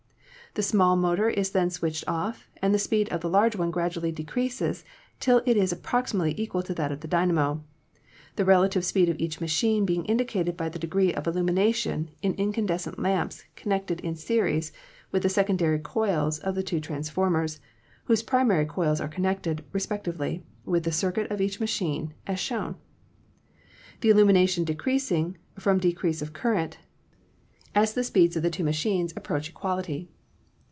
The small motor is then switched off and the speed of the large one gradually decreases till it is ap proximately equal to that of the dynamo, the relative speed of each machine being indicated by the degree of illumination in incandescent lamps connected in series with the secondary coils of two transformers whose pri mary coils are connected, respectively, with the circuit of each machine, as shown; the illumination decreasing, from decrease of current, as the speeds of the two ma POWER TRANSMISSION 219 chines approach equality.